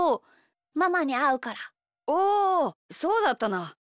おおそうだったな。